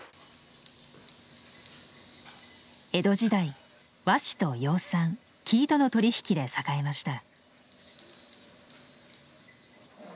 江戸時代和紙と養蚕生糸の取り引きで栄えました。